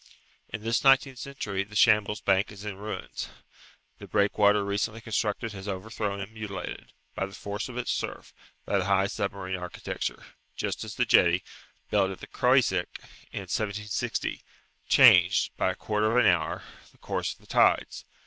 In this nineteenth century, the Shambles bank is in ruins; the breakwater recently constructed has overthrown and mutilated, by the force of its surf, that high submarine architecture, just as the jetty, built at the Croisic in 1760, changed, by a quarter of an hour, the course of the tides.